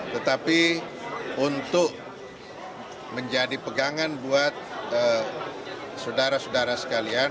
tetapi untuk menjadi pegangan buat saudara saudara sekalian